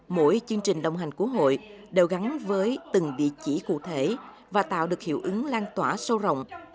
mỗi chương trình đồng hành của hội đều gắn với từng địa chỉ cụ thể và tạo được hiệu ứng lan tỏa sâu rộng